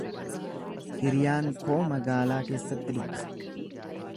Hiriyaan koo magaalaa keessatti dubbisa.